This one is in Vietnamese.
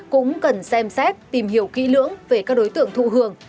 cũng cần xem xét tìm hiểu kỹ lưỡng về các đối tượng thụ hưởng